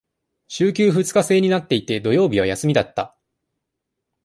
週休二日制になっていて、土曜日は休みだった。